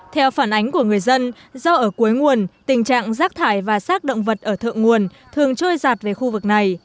theo phản ánh của người dân do ở cuối nguồn tình trạng rác thải và sát động vật ở thượng nguồn thường trôi giạt về khu vực này